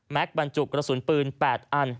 แม็กซ์บรรจุกกระสุนปืน๘อัน